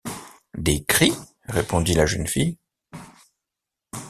Des cris? répondit la jeune fille.